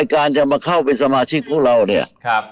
การมาเข้าสมาชิกของเราเนี่ย